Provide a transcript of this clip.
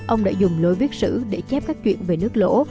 ông đã dùng lối viết sử để chép các chuyện về nước lỗ